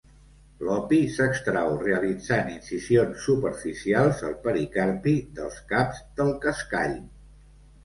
L'opi s'extrau realitzant incisions superficials al pericarpi dels caps del cascall.